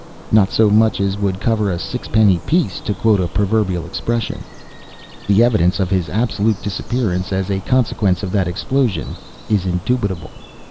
Not so much as would cover a sixpenny piece, to quote a proverbial expression! The evidence of his absolute disappearance as a consequence of that explosion is indubitable.